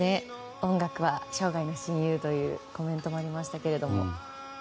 音楽は生涯の親友というコメントもありました。